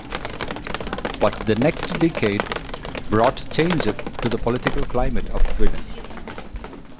But the next decade brought changes to the political climate of Sweden.